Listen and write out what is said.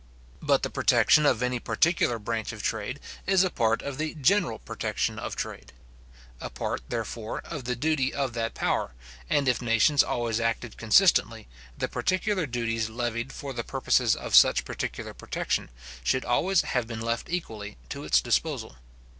But the protection of any particular branch of trade is a part of the general protection of trade; a part, therefore, of the duty of that power; and if nations always acted consistently, the particular duties levied for the purposes of such particular protection, should always have been left equally to its disposal.